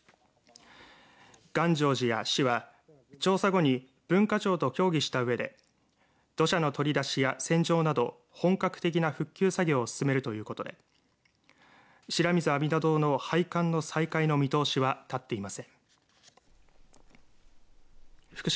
願成寺や市は、調査後に文化庁と協議したうえで土砂の取り出しや洗浄など本格的な復旧作業を進めるということで白水阿弥陀堂の拝観の再開の見通しは立っていません。